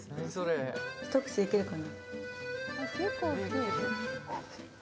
一口でいけるかな。